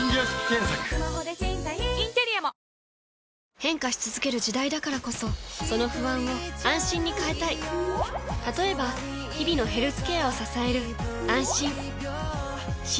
変化し続ける時代だからこそその不安を「あんしん」に変えたい例えば日々のヘルスケアを支える「あんしん」